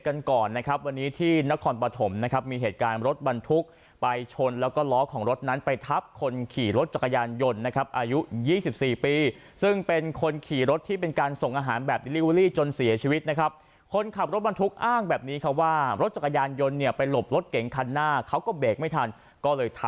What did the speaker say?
กันก่อนนะครับวันนี้ที่นครปฐมนะครับมีเหตุการณ์รถบรรทุกไปชนแล้วก็ล้อของรถนั้นไปทับคนขี่รถจักรยานยนต์นะครับอายุ๒๔ปีซึ่งเป็นคนขี่รถที่เป็นการส่งอาหารแบบลิลิเวอรี่จนเสียชีวิตนะครับคนขับรถบรรทุกอ้างแบบนี้ครับว่ารถจักรยานยนต์เนี่ยไปหลบรถเก๋งคันหน้าเขาก็เบรกไม่ทันก็เลยท